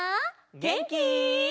げんき？